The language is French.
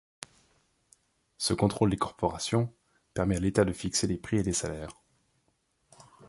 Ce contrôle des corporations permet à l'État de fixer les prix et les salaires.